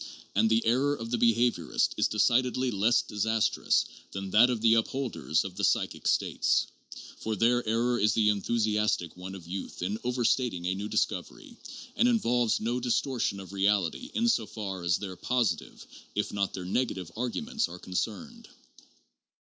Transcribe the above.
And the error of the behaviorist is decidedly less disastrous than that of the upholders of the "psychic states"; for their error is the enthusiastic one of youth in overstating a new discovery, and involves no distortion of reality in so far as their positive, if not their negative, arguments are con cerned.